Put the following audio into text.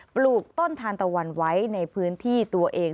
ปลูกต้นทานตะวันไว้ในพื้นที่ตัวเอง